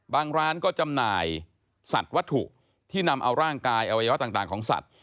ร้านก็จำหน่ายสัตว์วัตถุที่นำเอาร่างกายอวัยวะต่างของสัตว์